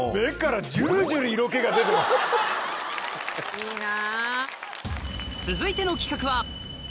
いいな。